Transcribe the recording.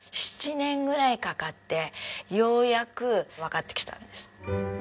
７年ぐらいかかってようやくわかってきたんです。